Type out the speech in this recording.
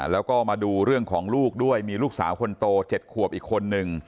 แล้วก็มาดูเรื่องของลูกด้วยมีลูกสาวคนโต๗ขวบอีกคนนึง